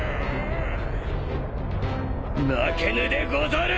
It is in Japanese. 負けぬでござる！